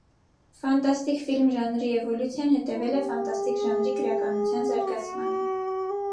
«ֆանտաստիկ ֆիլմ» ժանրի էվոլյուցիան հետևել է ֆանտատիկ ժանրի գրականության զարգացմանը։